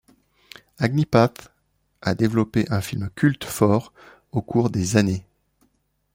Agneepath a développé un film culte fort au cours des années.